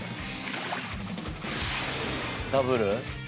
ダブル。